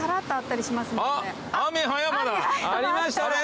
ありましたね！